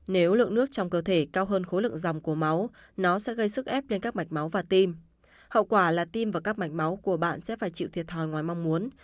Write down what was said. nếu lượng nước trong cơ thể cao hơn khối lượng dòng của máu nó sẽ gây sức ép lên các mạch máu và tim hậu quả là tim và các mạch máu của bạn sẽ phải chịu thiệt thòi ngoài mong muốn